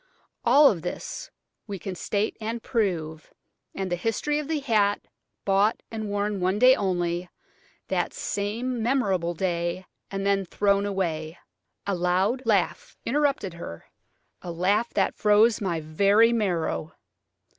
"All this we can state and prove, and the history of the hat, bought, and worn one day only, that same memorable day, and then thrown away." A loud laugh interrupted her–a laugh that froze my very marrow.